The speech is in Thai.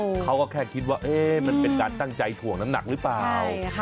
เขาก็แค่คิดว่าเอ๊ะมันเป็นการตั้งใจถ่วงน้ำหนักหรือเปล่า